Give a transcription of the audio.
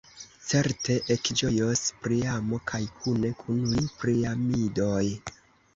Certe, ekĝojos Priamo kaj kune kun li Priamidoj.